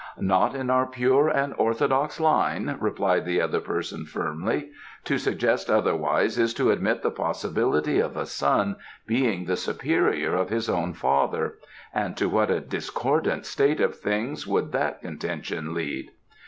"Not in our pure and orthodox line," replied the other person firmly. "To suggest otherwise is to admit the possibility of a son being the superior of his own father, and to what a discordant state of things would that contention lead!